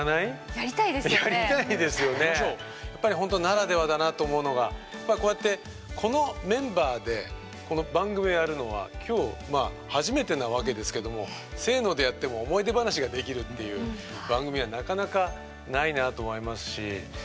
やっぱりほんとならではだなと思うのがこうやってこのメンバーでこの番組をやるのは今日初めてなわけですけどもせのでやっても思い出話ができるっていう番組はなかなかないなぁと思いますし。